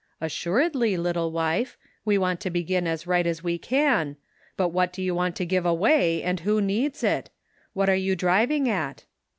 " Assuredly, little wife ; we want to begin as right as we can ;^ but what do you want to give away, and who needs it ? What are you driving at